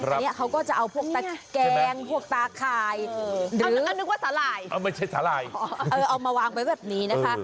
อันนี้เขาก็จะเอาพวกตาแกงพวกตาคลายหรือเอามาวางไว้แบบนี้นะคะ